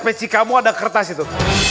peci kamu ada kertas itu